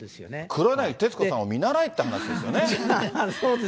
黒柳徹子さんを見習えって話ですよね。